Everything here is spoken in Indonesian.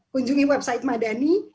kunjungi website madani